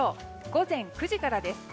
午前９時からです。